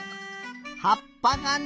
「はっぱがね」。